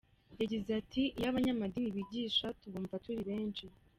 Yagize ati “Iyo abanyamadini bigisha tubumva turi benshi.